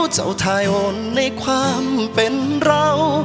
เจ้าทายหนในความเป็นเรา